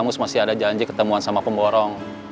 terus masih ada janji ketemuan sama pemborong